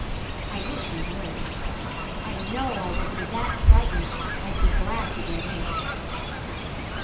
I wish he would. I know I will be that frightened I'd be glad to get in it.